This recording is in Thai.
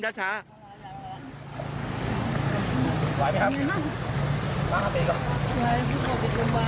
ไหวไหมครับ